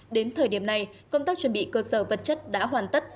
đến thời điểm này công tác chuẩn bị cơ sở vật chất đã hoàn tất